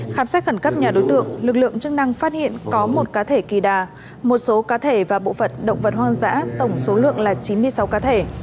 khám xét khẩn cấp nhà đối tượng lực lượng chức năng phát hiện có một cá thể kỳ đà một số cá thể và bộ phận động vật hoang dã tổng số lượng là chín mươi sáu cá thể